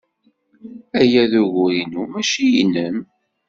Aya d ugur-inu, maci nnem.